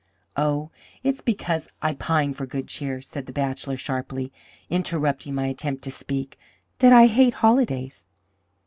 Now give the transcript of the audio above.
"Oh, it's because I pine for good cheer," said the bachelor, sharply, interrupting my attempt to speak, "that I hate holidays.